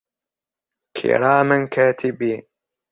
كراما كاتبين